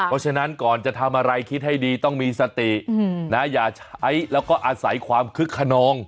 เพราะฉะนั้นก่อนจะทำอะไรคิดให้ดีต้องมีสตินะอย่าใช้แล้วก็อาศัยความคึกขนอง